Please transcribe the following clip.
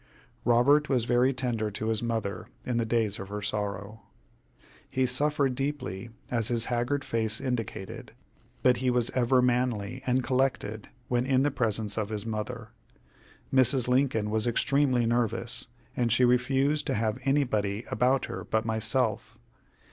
Robert was very tender to his mother in the days of her sorrow. He suffered deeply, as his haggard face indicated, but he was ever manly and collected when in the presence of his mother. Mrs. Lincoln was extremely nervous, and she refused to have anybody about her but myself.